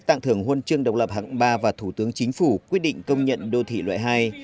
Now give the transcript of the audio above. tặng thưởng huân chương độc lập hạng ba và thủ tướng chính phủ quyết định công nhận đô thị loại hai